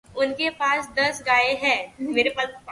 उनके पास दस गायें हैं।